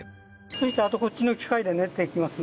あとこっちの機械で練っていきますんで。